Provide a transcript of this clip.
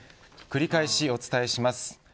繰り返しお伝えします。